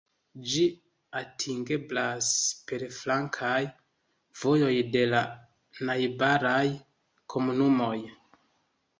Ĝi atingeblas per flankaj vojoj de la najbaraj komunumoj.